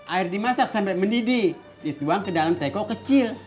air dimasak sampai mendidih dituang ke dalam teko kecil